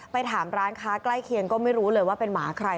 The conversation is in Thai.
ถามร้านค้าใกล้เคียงก็ไม่รู้เลยว่าเป็นหมาใคร